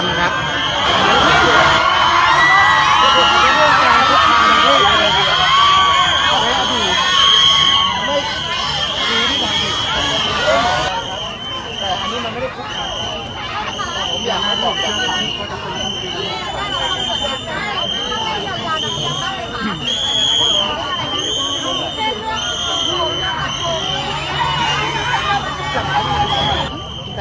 ก็ไม่เหลือว่านักเรียนบ้างเลยค่ะ